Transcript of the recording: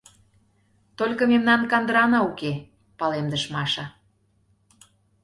— Только мемнан кандырана уке, — палемдыш Маша.